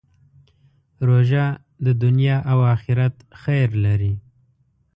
روژه د دنیا او آخرت خیر لري.